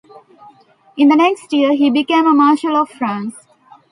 In the next year he became a marshal of France.